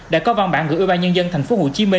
đã có văn bản gửi ủy ban nhân dân tp hcm